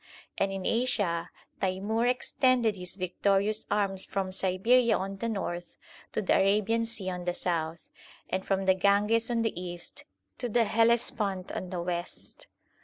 And in Asia, Taimur extended his victorious arms from Siberia on the north to the Arabian Sea on the south, and from the Ganges on the east to the Hellespont on the west.